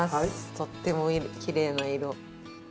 とってもきれいな色。